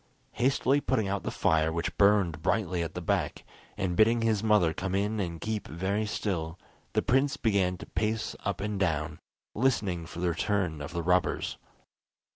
Hastily putting out the fire which burned brightly at the back, and bidding his mother come in and keep very still, the prince began to pace up and down, listening for the return of the robbers.